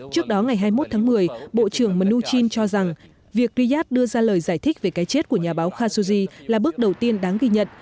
trước đó ngày hai mươi một tháng một mươi bộ trưởng mnuchin cho rằng việc riyadh đưa ra lời giải thích về cái chết của nhà báo khashoggi là bước đầu tiên đáng ghi nhận